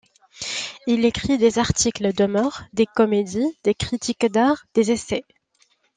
Il écrit des articles de mœurs, des comédies, des critiques d'art, des essais.